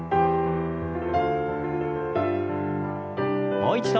もう一度。